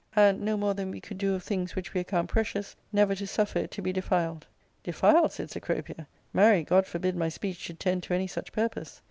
^' and, no more than we would do of things which we account ,v' precious, never to suffer it to be defiled.'* " Defiled !" said Cecropia ;" marry, God forbid my speech should tend to any ^uch purpose